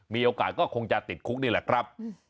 มีโอกาสก็คงจะติดคุกนี่แหละครับ